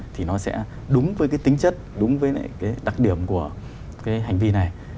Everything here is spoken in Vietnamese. thì nó sẽ đúng với cái tính chất đúng với cái đặc điểm của cái hành vi này